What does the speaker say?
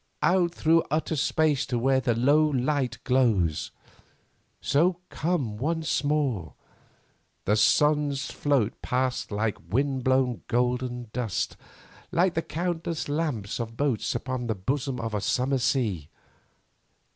out through utter space to where the low light glows. So, come once more. The suns float past like windblown golden dust—like the countless lamps of boats upon the bosom of a summer sea.